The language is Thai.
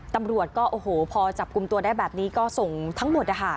ตำรวจก็โอ้โหพอจับกลุ่มตัวได้แบบนี้ก็ส่งทั้งหมดนะคะ